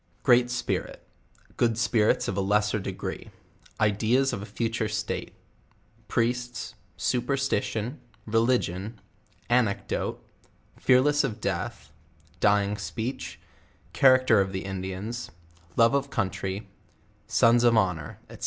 Great Spirit Good Spirits of a lesser degree Ideas of a falure Stale Priests Superstition Religion Anecdote Fearless of death Dying speech Character of the Indians Love nf Country Sons of honor &c.